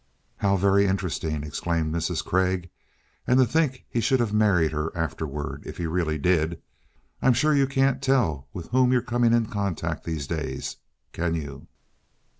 "How very interesting!" exclaimed Mrs. Craig. "And to think he should have married her afterward, if he really did. I'm sure you can't tell with whom you're coming in contact these days, can you?"